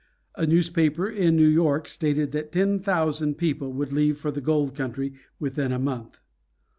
A newspaper in New York stated that ten thousand people would leave for the gold country within a month.